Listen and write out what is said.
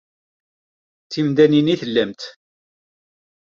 D timdanin i tellamt?